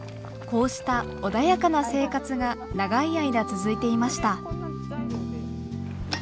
こうした穏やかな生活が長い間続いていました。